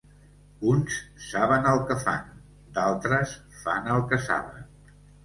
Uns saben el que fan; d'altres fan el que saben.